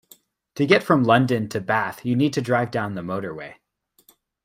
To get from London to Bath you need to drive down the motorway